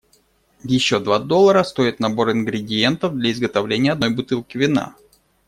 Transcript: Ещё два доллара стоит набор ингредиентов для изготовления одной бутылки вина.